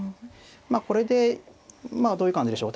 まあこれでどういう感じでしょう。